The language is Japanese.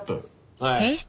はい。